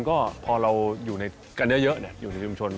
ก็พอเราอยู่ในกันเยอะอยู่ในชุมชน